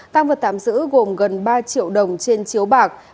tăng vật tạm giữ gồm gần ba triệu đồng trên chiếu bạc